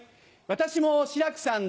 私も志らくさん